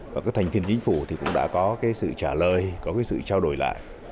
và các thành viên chính phủ thì cũng đã có cái sự trả lời có cái sự trao đổi lại